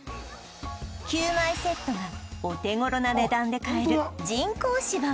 ９枚セットがお手頃な値段で買える人工芝が